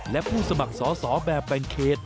และผู้สมัครสอสอแบบแบ่งเขต